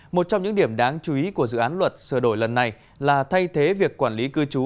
một trong những điểm đáng chú ý của dự án luật sửa đổi lần này là thay thế việc quản lý cư trú